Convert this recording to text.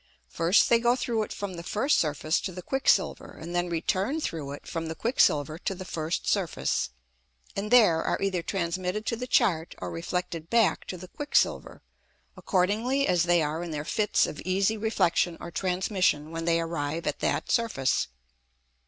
First, they go through it from the first Surface to the Quick silver, and then return through it from the Quick silver to the first Surface, and there are either transmitted to the Chart or reflected back to the Quick silver, accordingly as they are in their Fits of easy Reflexion or Transmission when they arrive at that Surface.